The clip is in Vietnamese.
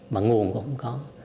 bản nguồn cũng không có